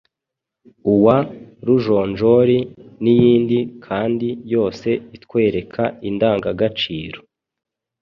uwa Rujonjori n’iyindi kandi yose itwereka indangagaciro